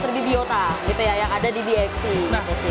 enam belas ribu biota gitu ya yang ada di bxc gitu sih